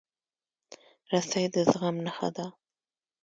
رسۍ د زغم نښه ده.